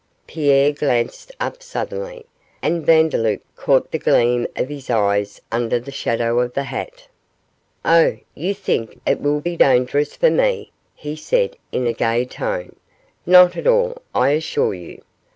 Pierre glanced up suddenly, and Vandeloup caught the gleam of his eyes under the shadow of the hat. 'Oh! you think it will be dangerous for me,' he said, in a gay tone; 'not at all, I assure you.